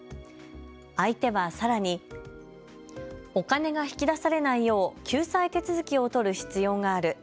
相手はさらにお金が引き出されないよう救済手続きを取る必要がある。